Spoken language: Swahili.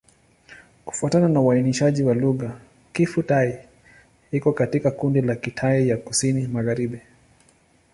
Kufuatana na uainishaji wa lugha, Kiphu-Thai iko katika kundi la Kitai ya Kusini-Magharibi.